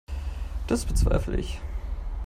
Das bezweifle ich.